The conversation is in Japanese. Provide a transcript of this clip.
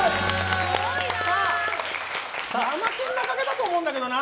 ヤマケンのおかげだと思うんだけどな。